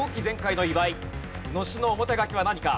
のしの表書きは何か？